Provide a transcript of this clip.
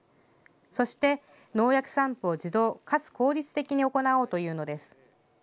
そして農薬散布を自動かつ効率的に行おうというのです。